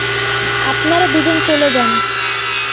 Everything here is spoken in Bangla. আপনারা দুজন চলে যান।